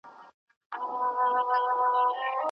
د غلیم جنګ ته وروتلي تنها نه سمیږو